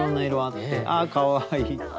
あっかわいい。